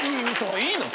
いいの？